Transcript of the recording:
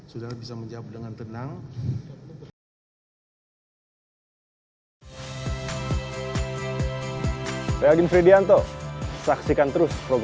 saudara bisa menjawab dengan tenang